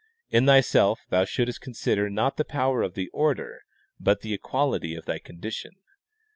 In thyself thou shouldst consider not the power of order, but the equality of thy condition.